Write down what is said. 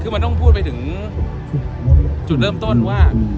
คือมันต้องพูดไปถึงจุดเริ่มต้นว่า